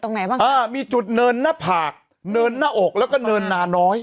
ไหนบ้างอ่ามีจุดเนินหน้าผากเนินหน้าอกแล้วก็เนินนาน้อย